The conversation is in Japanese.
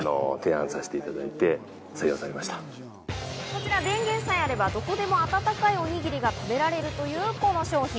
こちら、電源さえあればどこでも温かいおにぎりが食べられるというこの商品。